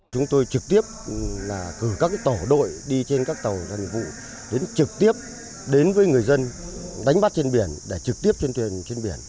chúng tôi trực tiếp cử các tổ đội đi trên các tàu gần vụ đến trực tiếp đến với người dân đánh bắt trên biển để trực tiếp trên thuyền trên biển